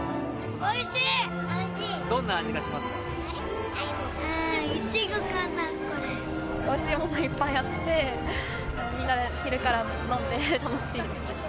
おいしいものいっぱいあって、みんなで昼から飲んで、楽しい。